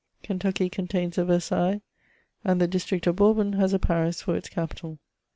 Kentucky contains a Versailles ; and the district of Bourbon has a Pans for its capital.